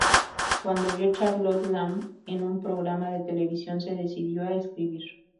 Cuando vio a Charlotte Lamb en un programa de televisión se decidió a escribir.